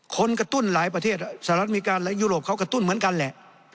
กระตุ้นหลายประเทศสหรัฐอเมริกาและยุโรปเขากระตุ้นเหมือนกันแหละ